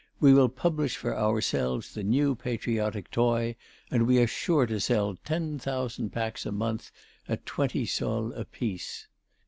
We will publish for ourselves the new patriotic toy and we are sure to sell ten thousand packs in a month, at twenty sols apiece."